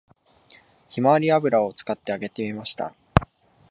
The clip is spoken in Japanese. ひまわり油を使って揚げてみました